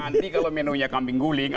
nanti kalau menunya kambing guling